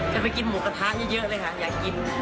จะไปกินหมูกระทะเยอะเลยค่ะอยากกิน